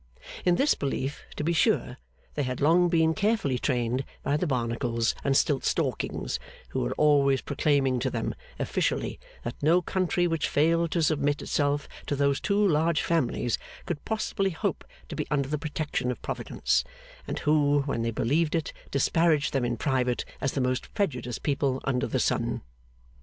In this belief, to be sure, they had long been carefully trained by the Barnacles and Stiltstalkings, who were always proclaiming to them, officially, that no country which failed to submit itself to those two large families could possibly hope to be under the protection of Providence; and who, when they believed it, disparaged them in private as the most prejudiced people under the sun.